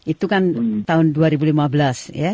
itu kan tahun dua ribu lima belas ya